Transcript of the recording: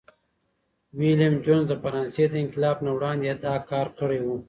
ویلیم جونز د فرانسې د انقلاب نه وړاندي دا کار کړی و.